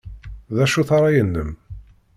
D acu-t ṛṛay-nnem?